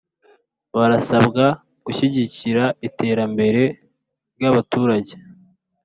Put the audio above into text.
Barasabwa gushyigikira iterambere ry’ abaturage